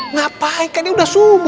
ngapain kan ini udah sumbu